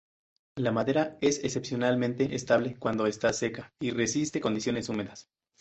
La madera es excepcionalmente estable cuando está seca y resiste condiciones húmedas.